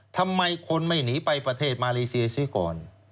ทำไมคนไม่หนีไปประเทศมาเลเซียซิก่อน